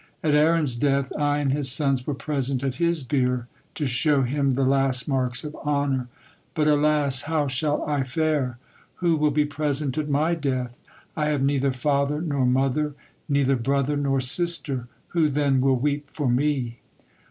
At Aaron's death, I and his sons were present at his bier to show him the last marks of honor. But alas! How shall I fare? Who will be present at my death? I have neither father nor mother, neither brother nor sister, who then will weep for me?"